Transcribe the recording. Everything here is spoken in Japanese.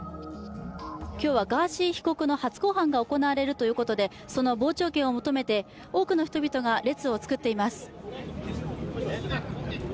今日はガーシー被告の初公判が行われるということで、その傍聴券を求めて多くの人々が列を作っています。